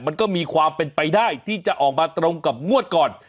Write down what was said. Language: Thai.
มันก็มีความเป็นไปได้ที่จะออกมาตรงกับงวดก่อน